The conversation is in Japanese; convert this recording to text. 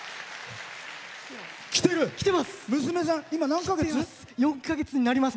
来てます。